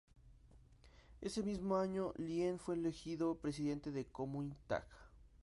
Ese mismo año Lien fue elegido presidente del Kuomintang.